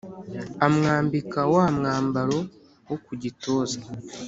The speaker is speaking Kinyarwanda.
Amwambika wa mwambaro wo ku gituza